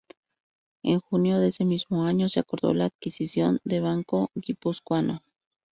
En junio de ese mismo año, se acordó la adquisición de Banco Guipuzcoano.